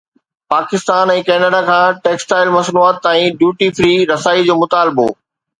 Pakistan ۽ Canada کان textile مصنوعات تائين ڊيوٽي فري رسائي جو مطالبو